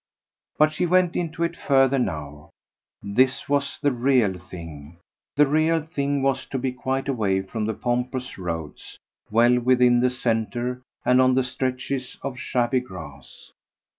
But she went into it further now; this was the real thing; the real thing was to be quite away from the pompous roads, well within the centre and on the stretches of shabby grass.